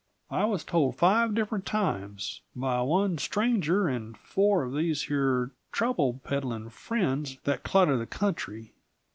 "I was told five different times, by one stranger and four of these here trouble peddlin' friends that clutter the country.